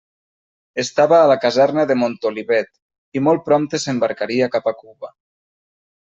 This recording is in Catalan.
Estava a la caserna de Montolivet, i molt prompte s'embarcaria cap a Cuba.